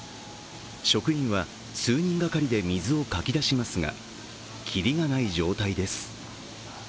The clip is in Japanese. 職員は数人がかりで水をかき出しますがきりがない状態です。